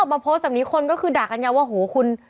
มาโพสต์แบบนี้คนก็คือด่ากันยาวว่าโหคุณ